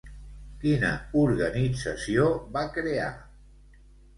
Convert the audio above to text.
Quina organització va crear?